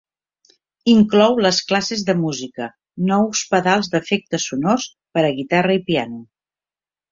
Inclou les classes de música, nous pedals d'efectes sonors per a guitarra i piano.